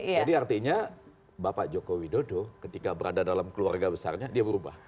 jadi artinya bapak jokowi dodo ketika berada dalam keluarga besarnya dia berubah